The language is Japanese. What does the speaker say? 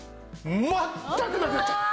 全くなくなっちゃった！